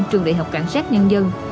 trường đại học cảnh sát nhân dân